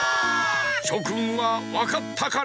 しょくんはわかったかな？